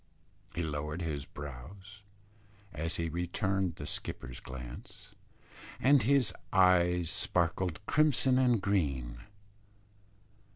He lowered his brows as he returned the skipper's glance, and his eyes sparkled crimson and green.